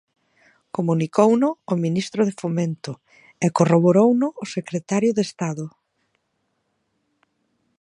Comunicouno o ministro de Fomento e corroborouno o secretario de Estado.